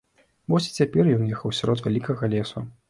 Вось і цяпер ён ехаў сярод вялікага лесу.